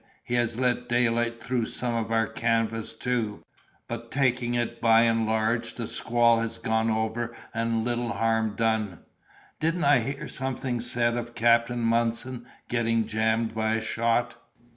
He has let daylight through some of our canvas too; but, taking it by and large, the squall has gone over and little harm done. Didn't I hear something said of Captain Munson getting jammed by a shot?"